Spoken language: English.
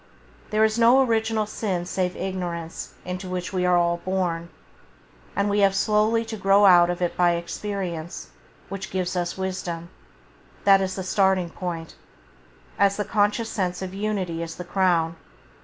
There is no original sin save ignorance and into that we are all born, and we have slowly to grow out of it by experience, which gives us wisdom. That is the starting point, as the conscious sense of unity is the Crown.